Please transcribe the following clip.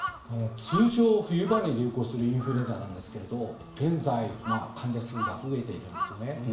通常、冬場に流行するインフルエンザなんですけれど現在、患者数が増えているんですよね。